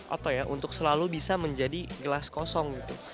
apa ya untuk selalu bisa menjadi gelas kosong gitu